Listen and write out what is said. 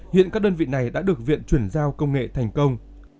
hiện các đơn vị này đã được viện chuyển giao công nghệ thành công